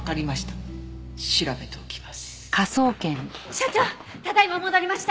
所長ただ今戻りました。